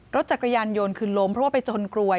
รถจักรยานยนต์คือล้มเพราะว่าไปชนกลวย